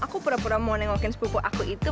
aku pura pura mau nengokin sepupu aku itu